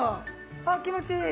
ああ気持ちいい。